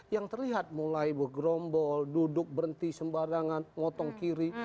yang terlihat mulai bergerombol duduk berhenti sembarangan ngotong kiri